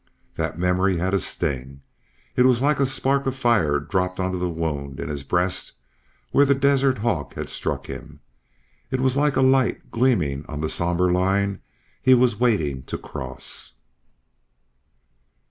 That memory had a sting. It was like a spark of fire dropped on the wound in his breast where the desert hawk had struck him. It was like a light gleaming on the sombre line he was waiting to cross.